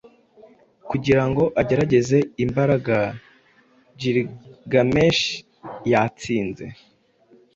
kugira ngo agerageze imbaraga Gilgamesh yatsinze